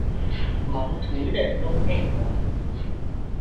Mắm thúi để lâu ẹ quá